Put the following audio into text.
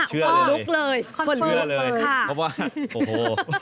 เชื่อเลยคอนเฟอร์เลยค่ะเขาบอกว่าโอ้โฮ